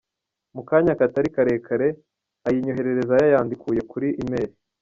Mu kanya katari karekare ayinyoherereza yayandukuye kuli email.